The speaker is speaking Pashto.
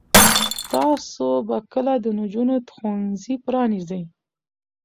تاسو به کله د نجونو ښوونځي پرانیزئ؟